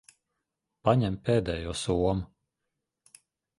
Paņem pēdējo somu.